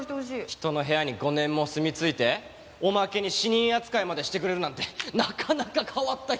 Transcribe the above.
人の部屋に５年も住み着いておまけに死人扱いまでしてくれるなんてなかなか変わった人だね。